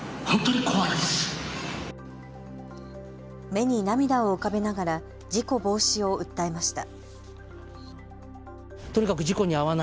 目に涙を浮かべながら事故防止を訴えました。